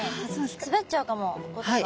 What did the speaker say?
滑っちゃうかもこことか。